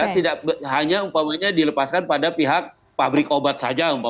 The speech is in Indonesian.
tidak hanya umpamanya dilepaskan pada pihak pabrik obat saja